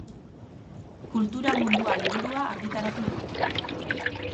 Kultura mundua liburua argitaratu du.